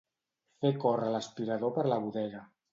Fer córrer l'aspirador per la bodega.